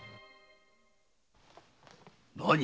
何！